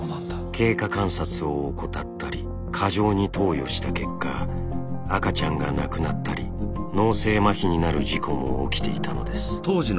経過観察を怠ったり過剰に投与した結果赤ちゃんが亡くなったり脳性マヒになる事故も起きていたのです。